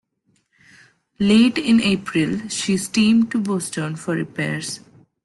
Late in April, she steamed to Boston for repairs.